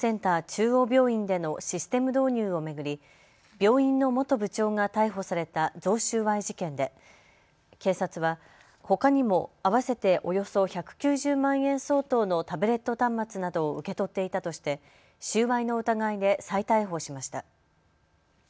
中央病院でのシステム導入を巡り病院の元部長が逮捕された贈収賄事件で警察はほかにも合わせておよそ１９０万円相当のタブレット端末などを受け取っていたとして収賄の疑いで再逮捕しました。